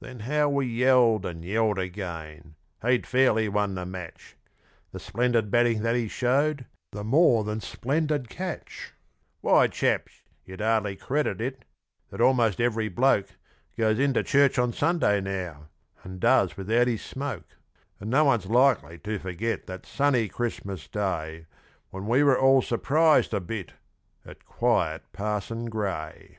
Then how we yelled, and yelled again; he'd fairly won the match The splendid batting that he showed, the more than splendid catch; Why, chaps, you'd hardly credit it, that almost every bloke Goes into church on Sunday now, and does without his smoke; And no one's likely to forget that sunny Christmas Day, When we were all surprised a bit at quiet Parson Grey.